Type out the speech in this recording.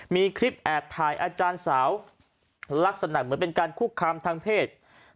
มีคลิปแอบถ่ายอาจารย์สาวลักษณะเหมือนเป็นการคุกคามทางเพศ